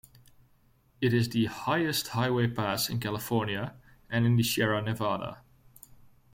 It is the highest highway pass in California and in the Sierra Nevada.